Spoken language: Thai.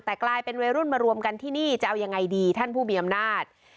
แต่กลายเป็นวัยรุ่นมารวมกันที่นี่จะเอายังไงดีท่านผู้มีอำนาจ